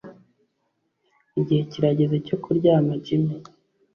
Igihe kirageze cyo kuryama Jimmy